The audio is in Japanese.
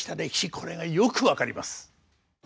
これがよく分かります。